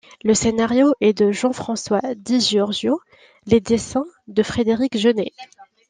Le scénario est de Jean-François Di Giorgio, les dessins de Frédéric Genêt.